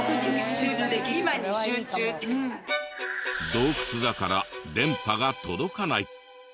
洞窟だから電波が届かない。